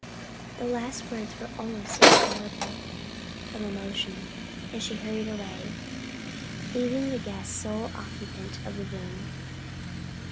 The last words were almost inaudible from emotion, and she hurried away, leaving the guest sole occupant of the room.